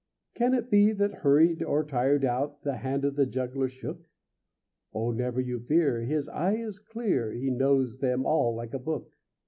Can it be that, hurried or tired out, The hand of the juggler shook? O never you fear, his eye is clear, He knows them all like a book.